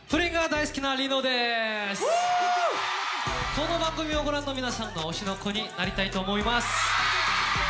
この番組をご覧の皆さんの推しの子になりたいと思います！